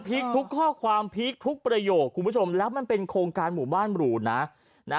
ทุกข้อความพลิกทุกประโยคคุณผู้ชมแล้วมันเป็นโครงการหมู่บ้านหรูนะนะ